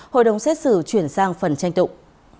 hội đồng xét xử chuyển sang phần tranh tụng